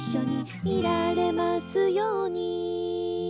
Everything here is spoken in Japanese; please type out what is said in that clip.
「いられますように」